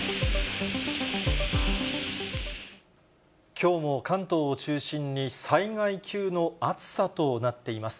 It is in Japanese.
きょうも関東を中心に、災害級の暑さとなっています。